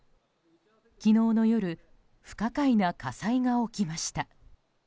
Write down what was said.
昨日夜不可解な火災が起きました。